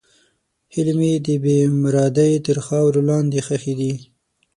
هیلې مې د بېمرادۍ تر خاورو لاندې ښخې دي.